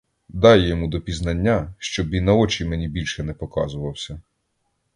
Дам йому до пізнання, щоб і на очі мені більше не показувався.